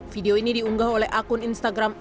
video ini diunggah oleh akun instagram